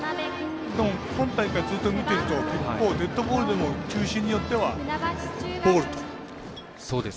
でも、今大会ずっと見てると結構デッドボールでも球審によってはボールと。